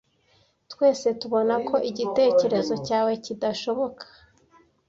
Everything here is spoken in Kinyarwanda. Twese tubona ko igitekerezo cyawe kidashoboka.